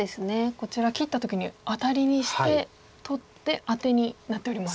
こちら切った時にアタリにして取ってアテになっております。